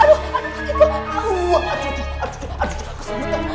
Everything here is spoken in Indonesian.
aduh aku serius